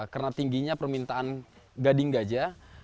karena tingginya permintaan gading gajah